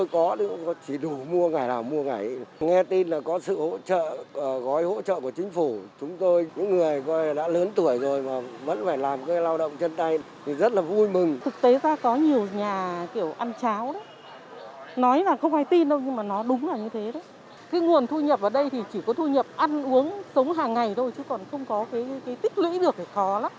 còn thu nhập ở đây thì chỉ có thu nhập ăn uống sống hàng ngày thôi chứ còn không có cái tích lưỡi được thì khó lắm